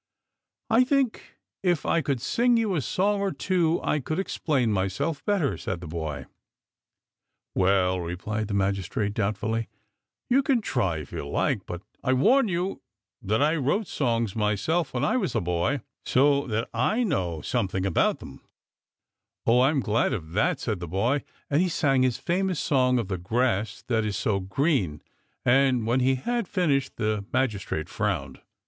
" I think if I could sing you a song or two I could explain myself better," said the boy. 216 THE POET'S ALLEGORY " Well," replied the magistrate doubtfully, "you can try if you like, but I warn you that I wrote songs myself when I was a boy, so that I know something about it." " Oh, I'm glad of that," said the boy, and he sang his famous song of the grass that is so green, and when he had finished the magis trate frowned.